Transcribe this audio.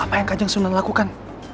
apa yang kajang sunan lakukan